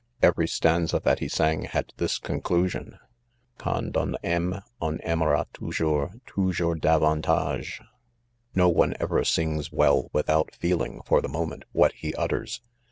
— Every 'slanza that he i^ang had this conclusion? '"'Quand On aime 3 O'n. aimera toiij oiu k s 3 Toujours davantage.'* Ko one ever sings Well without feeling', for the moment, what he utters.